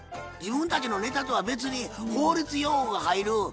自分たちのネタとは別に法律用語が入る